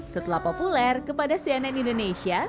setelah populer kepada cnn indonesia